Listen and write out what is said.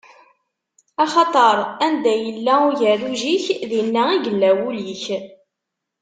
Axaṭer anda yella ugerruj-ik, dinna i yella wul-ik.